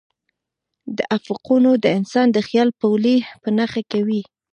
دا افقونه د انسان د خیال پولې په نښه کوي.